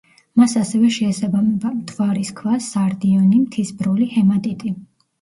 მას ასევე შეესაბამება: მთვარის ქვა, სარდიონი, მთის ბროლი, ჰემატიტი.